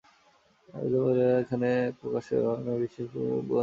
বর্তমানে বৃদ্ধা মহিলারা এখনও এই পোশাক ব্যবহার করেন এবং বিশেষ অনুষ্ঠানে পরিধান করেন।